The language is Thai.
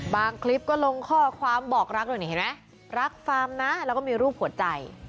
คลิปก็ลงข้อความบอกรักด้วยนี่เห็นไหมรักฟาร์มนะแล้วก็มีรูปหัวใจ